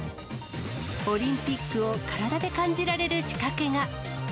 オリンピックを体で感じられる仕掛けが。